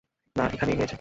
না, এখানেই হয়েছে।